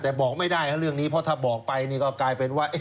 แต่บอกไม่ได้เรื่องนี้เพราะถ้าบอกไปนี่ก็กลายเป็นว่า